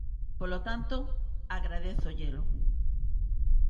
Polo tanto, agradézollelo.